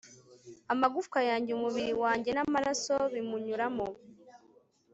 amagufwa yanjye, umubiri wanjye n'amaraso bimunyuramo